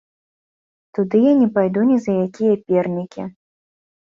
Туды я не пайду ні за якія пернікі.